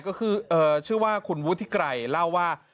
ก็คือชื่อว่าคุณวุฒิไกรเล่าว่า